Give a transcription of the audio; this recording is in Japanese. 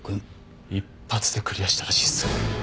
一発でクリアしたらしいっす。